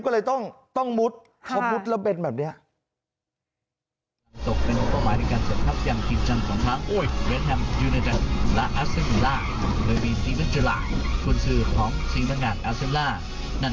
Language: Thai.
และต้องการดึงตัวมาร่วมงาน